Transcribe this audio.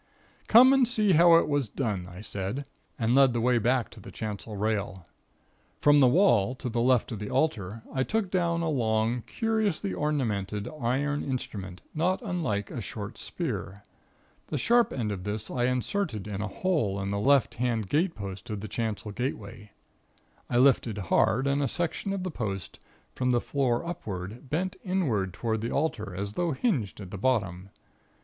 "Come and see how it was done," I said, and led the way back to the chancel rail. From the wall to the left of the altar I took down a long, curiously ornamented, iron instrument, not unlike a short spear. The sharp end of this I inserted in a hole in the left hand gatepost of the chancel gateway. I lifted hard, and a section of the post, from the floor upward, bent inward toward the altar, as though hinged at the bottom.